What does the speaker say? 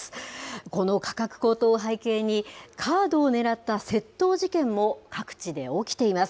この価格高騰を背景に、カードを狙った窃盗事件も各地で起きています。